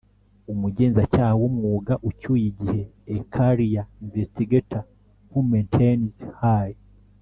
Umugenzacyaha w umwuga ucyuye igihe A career investigator who maintains high